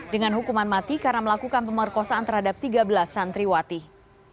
dengan hukuman mati karena melakukan pemerkosaan terhadap tiga belas santriwati